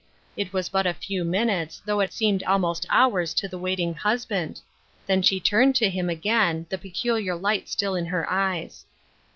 It was but a few minutes, though it seemed almost hours to the waiting husband ; then she turned to him again, the peculiar light still in her eyes.